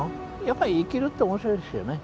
やっぱり生きるって面白いですよね。